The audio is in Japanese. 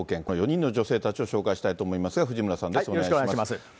この４人の女性たちを紹介したいと思いますが、藤村さんです、よ